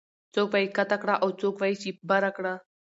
څوک وايي کته کړه او څوک وايي چې بره کړه